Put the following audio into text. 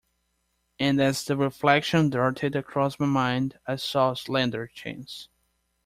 And as the reflection darted across my mind I saw a slender chance.